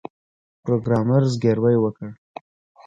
پروګرامر زګیروی وکړ